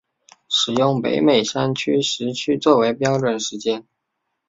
使用北美山区时区作为标准时间。